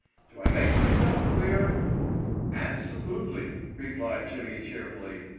Do I make myself clear?" "Absolutely," replied Jimmy cheerfully.